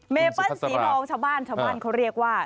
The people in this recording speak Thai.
เมเปิลสีทองชาวบ้านเขาเรียกว่า